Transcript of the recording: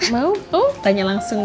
mau tanya langsung ya